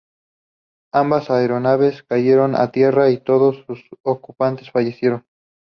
Ambas aeronaves cayeron a tierra y todos sus ocupantes fallecieron.